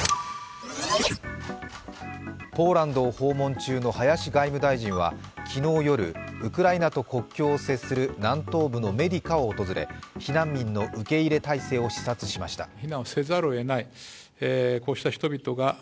ぽらんどを訪問中の林外務大臣は昨日夜、ウクライナと国境を接する南東部のメディカを訪れ避難民の受け入れ体制を視察しました。